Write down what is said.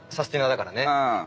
だからね。